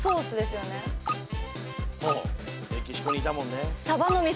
メキシコにいたもんね